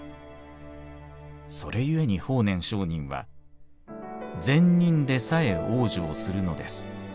それゆえに法然上人は『善人でさえ往生するのです。